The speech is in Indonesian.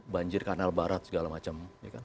banjir kanal barat segala macam